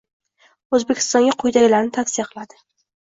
O'zbekistonga quyidagilarni tavsiya qiladi